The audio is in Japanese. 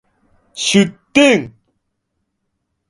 出店